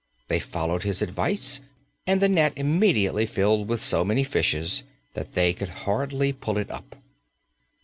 They followed His advice and the net immediately filled with so many fishes that they could hardly pull it up.